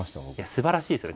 すばらしいですよね。